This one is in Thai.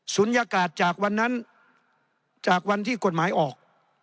ยากาศจากวันนั้นจากวันที่กฎหมายออก